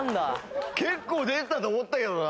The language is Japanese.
結構出てたと思ったけどな。